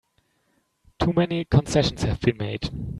Too many concessions have been made!